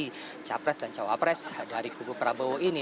ketua umum partai demokrat suslo bambang endoino di megakuningan ini